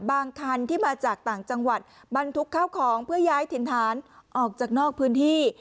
คันที่มาจากต่างจังหวัดบรรทุกข้าวของเพื่อย้ายถิ่นฐานออกจากนอกพื้นที่